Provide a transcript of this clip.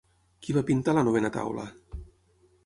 Qui va pintar la novena taula?